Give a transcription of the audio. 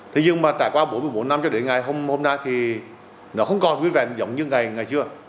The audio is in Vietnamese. thế nhưng mà tại qua bốn mươi bốn năm cho đến ngày hôm nay thì nó không còn nguyên vẹn giống như ngày trưa